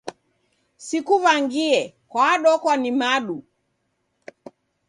Sikuw'angie kwadokwa ni madu.